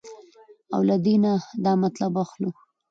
او له دې نه دا مطلب اخلو